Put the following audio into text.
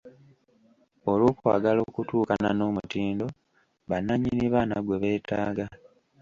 Olw’okwagala okutuukana n’omutindo bannannyini baana gwe beetaaga.